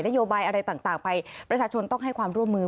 โยบายอะไรต่างไปประชาชนต้องให้ความร่วมมือ